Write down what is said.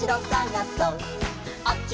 「あっち！